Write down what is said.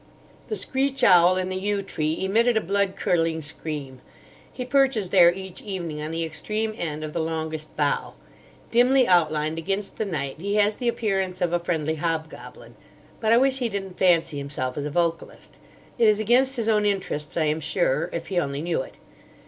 The screech owl in the yew tree emitted a blood curdling scream. He perches there each evening on the extreme end of the longest bough. Dimly outlined against the night, he has the appearance of a friendly hobgoblin. But I wish he didn't fancy himself as a vocalist. It is against his own interests, I am sure, if he only knew it.